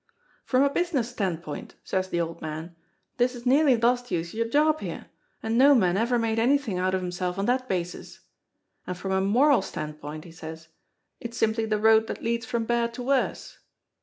'From a business standpoint,' says de old man, 'dis has nearly lost youse yer job here, an' no man ever made anythin' out of himself on that basis. An' from a moral standpoint,' he says, 'it's simply de road dat leads from bad to worse.'